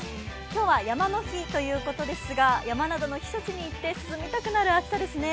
今日は山の日ということですが、山などの避暑地に行って涼みたくなる暑さですね。